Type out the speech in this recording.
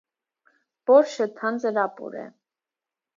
Բորշչը թանձր ապուր է։